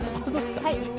はい。